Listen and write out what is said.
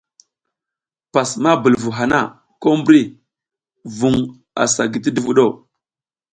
Pas ma bul vu hana, ko mbri vuƞ asa gi ti duvuɗ o.